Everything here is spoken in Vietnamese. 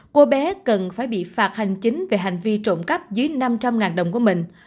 cô bé cần phải bị phạt hành chính về hành vi trộm cắp dưới năm trăm linh đồng của mình